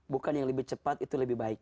bukan yang lebih cepat itu lebih baik